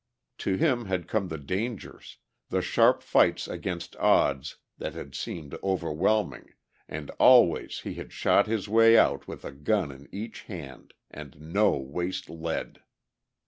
To him had come the dangers, the sharp fights against odds that had seemed overwhelming, and always he had shot his way out with a gun in each hand, and no waste lead.